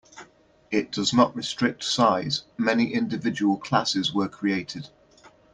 It does not restrict size-many individual classes were created.